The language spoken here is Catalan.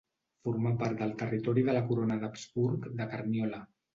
Formà part del territori de la corona d'Habsburg de Carniola.